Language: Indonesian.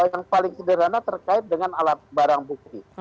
yang paling sederhana terkait dengan alat barang bukti